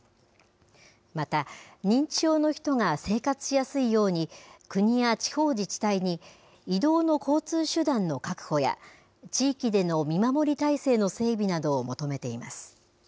また、認知症の人が生活しやすいように、国や地方自治体に、移動の交通手段の確保や、地域での見守り体制の整備などを求めています。